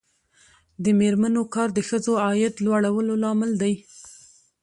د میرمنو کار د ښځو عاید لوړولو لامل دی.